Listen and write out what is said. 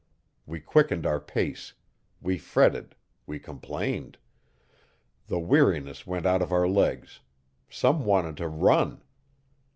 We quickened our pace; we fretted, we complained. The weariness went out of our legs; some wanted to run.